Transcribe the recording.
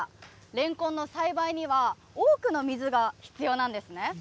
レンコンの栽培には多くの水が必要なんですね。